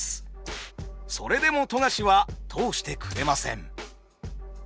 それでも富樫は通してくれません。